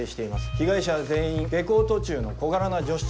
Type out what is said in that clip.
被害者は全員下校途中の小柄な女子中高生。